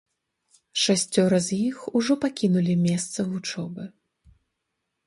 Шасцёра з іх ужо пакінулі месца вучобы.